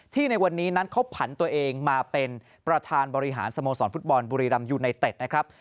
ในวันนี้นั้นเขาผันตัวเองมาเป็นประธานบริหารสโมสรฟุตบอลบุรีรำยูไนเต็ดนะครับ